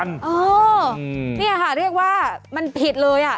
เออนี่ค่ะเรียกว่ามันผิดเลยอ่ะ